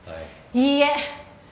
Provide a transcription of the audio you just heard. いいえ。